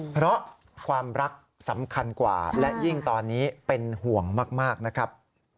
เพราะความรักสำคัญกว่าและยิ่งตอนนี้เป็นห่วงมากนะครับ